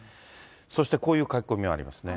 そしてこういう書き込みがありますね。